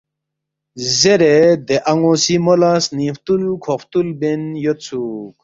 “ زیرے دے ان٘و سی مو لہ سنِنگ فتُول کھوق فتُول بین یودسُوک